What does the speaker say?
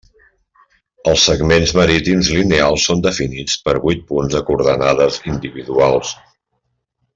Els segments marítims lineals són definits per vuit punts de coordenades individuals.